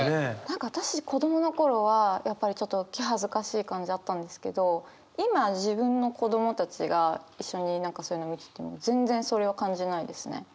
何か私子供の頃はやっぱりちょっと気恥ずかしい感じあったんですけど今自分の子供たちが一緒に何かそういうの見てても全然それは感じないですね。